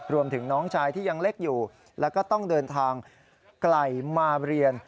รวมถึงน้องชายที่ยังเล็กอยู่แล้วก็ต้องเดินทางไกลมาเรียน